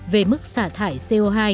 về mức xả thải co hai